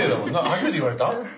初めて言われた？